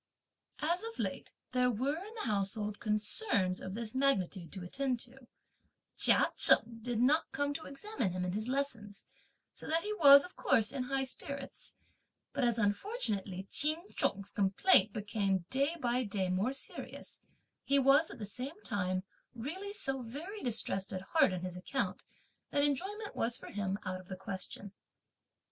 As of late there were in the household concerns of this magnitude to attend to, Chia Cheng did not come to examine him in his lessons, so that he was, of course, in high spirits, but, as unfortunately Ch'in Chung's complaint became, day by day, more serious, he was at the same time really so very distressed at heart on his account, that enjoyment was for him out of the question.